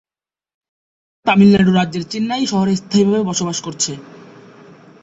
তাঁর পরিবার তামিলনাড়ু রাজ্যের চেন্নাই শহরে স্থায়ীভাবে বসবাস করেছে।